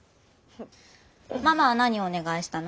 ママは何をお願いしたの？